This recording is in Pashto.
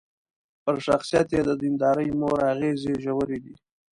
پر شخصيت يې د ديندارې مور اغېزې ژورې دي.